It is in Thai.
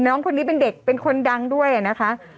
น้องคนนี้เป็นเด็กเป็นคนดังด้วยนะคะ